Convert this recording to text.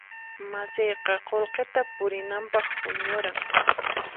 Masiyqa qullqita purinanpaq huñuran.